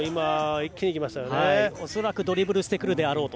恐らくドリブルしてくるであろうと。